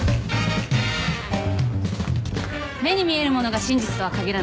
目に見えるものが真実とは限らない。